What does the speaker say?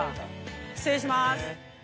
失礼しまーす。